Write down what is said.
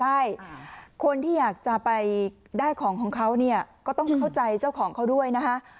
ใช่คนที่อยากจะไปได้ของของเขาเนี่ยก็ต้องเข้าใจเจ้าของเขาด้วยนะคะ